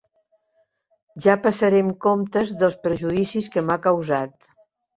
Ja passarem comptes dels perjudicis que m'ha causat.